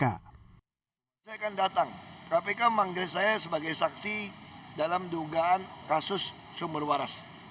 saya akan datang kpk manggil saya sebagai saksi dalam dugaan kasus sumber waras